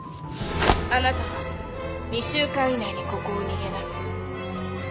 あなたは２週間以内にここを逃げ出す。